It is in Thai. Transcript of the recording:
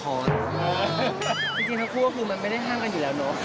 จริงเขาพูดว่าคือมันไม่ได้ห้ามกันอยู่แล้วเนอะ